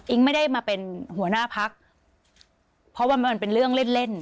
ไม่ได้มาเป็นหัวหน้าพักเพราะว่ามันเป็นเรื่องเล่นเล่น